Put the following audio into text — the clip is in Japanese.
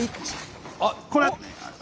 あっ、これ。